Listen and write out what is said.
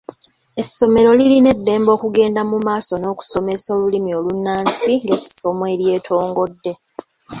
Essomero lirina eddembe okugenda mu maaso n’okusomesa olulimi olunnansi ng’essomo eryetongodde.